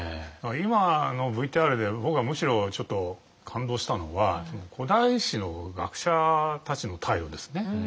今のＶＴＲで僕がむしろちょっと感動したのは古代史の学者たちの態度ですね。